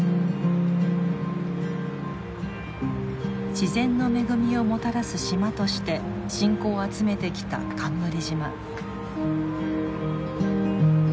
自然の恵みをもたらす島として信仰を集めてきた冠島。